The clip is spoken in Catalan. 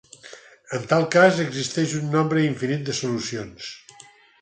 En tal cas, existeix un nombre infinit de solucions.